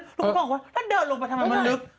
ลูกค้าขอบคุณว่าถ้าเดินลงไปทำไมมันลึก